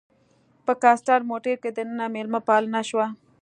په کاسټر موټر کې دننه میلمه پالنه شوه.